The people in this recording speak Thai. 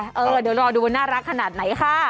เออเดี๋ยวรอดูน่ารักขนาดไหนค่ะ